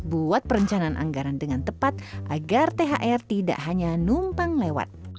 buat perencanaan anggaran dengan tepat agar thr tidak hanya numpang lewat